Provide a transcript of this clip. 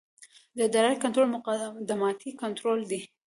د ادارې کنټرول مقدماتي کنټرول دی.